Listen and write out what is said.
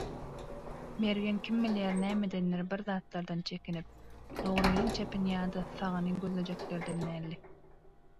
Mergen kim bilýär nämedendir bir zatlardan çekinip, dogrynyň çepini ýa-da sagyny gözlejeklerden däldi.